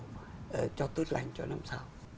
thì đều cho tốt lành cho năm sau